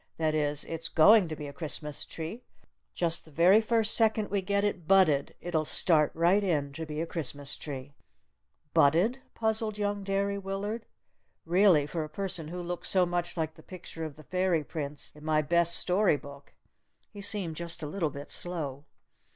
"That is, it's going to be a Christmas tree! Just the very first second we get it 'budded' it'll start right in to be a Christmas tree!" "Budded?" puzzled young Derry Willard. Really for a person who looked so much like the picture of the Fairy Prince in my best story book, he seemed just a little bit slow.